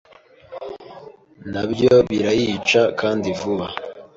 nabyo birayica kandi vuba